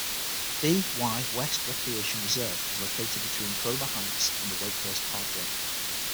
Dee Why West Recreation Reserve is located between Cromer Heights and Wakehurst Parkway.